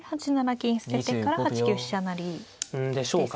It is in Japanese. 金捨ててから８九飛車成ですか。